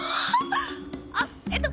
あっえっと